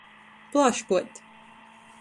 Plāškuot.